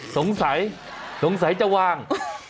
สงสัยสงสัยจะวาง